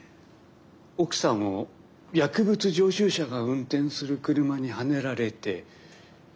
奥さんを薬物常習者が運転する車にはねられて亡くしてるんだよ。